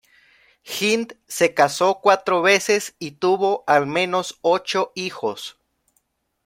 Hind, se casó cuatro veces y tuvo, al menos, ocho hijos.